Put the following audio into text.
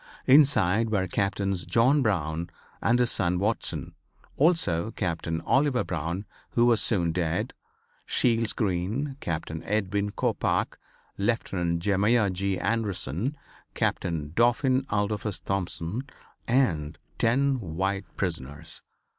Inside were Captains John Brown and his son Watson; also Captain Oliver Brown, who was soon dead; Shields Green, Captain Edwin Coppoc, Lieutenant Jeremiah G. Anderson, Captain Dauphin Adolphus Thompson and ten white prisoners.